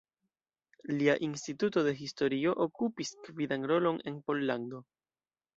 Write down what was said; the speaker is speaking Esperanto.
Lia Instituto de Historio okupis gvidan rolon en Pollando.